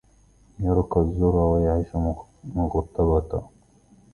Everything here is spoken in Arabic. يرقى الذرى ويعيش مغتباطا